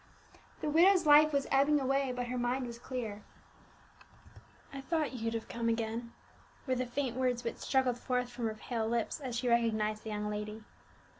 The widow's life was ebbing away, but her mind was clear. "I thought that you'd have come again," were the faint words which struggled forth from her pale lips as she recognized the young lady.